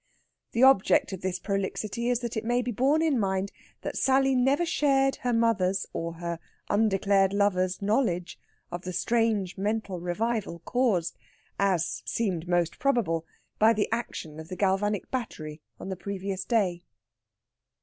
The object of this prolixity is that it may be borne in mind that Sally never shared her mother's or her undeclared lover's knowledge of the strange mental revival caused as seemed most probable by the action of the galvanic battery on the previous day.